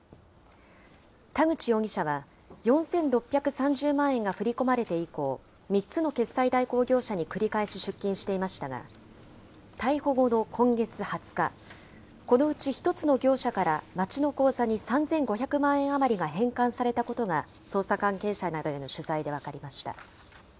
田口容疑者は、４６３０万円が振り込まれて以降、３つの決済代行業者に繰り返し出金していましたが、逮捕後の今月２０日、このうち１つの業者から町の口座に３５００万円余りが返還されたことが、捜査関係者などへの取材で分かりました。